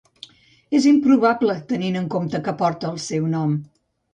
És improbable tenint en compte que porta el seu nom.